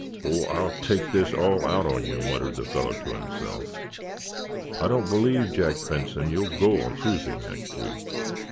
"Oh, I'll take this all out of you," muttered the fellow to himself. "I don't believe, Jack Benson, you'll go on the cruising next week.